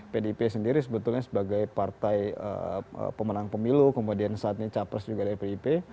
pdip sendiri sebetulnya sebagai partai pemenang pemilu kemudian saat ini capres juga dari pdip